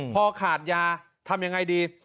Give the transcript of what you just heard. พอขาดยาทำยังไงดี